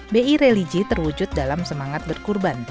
bi religi terwujud dalam semangat berkurban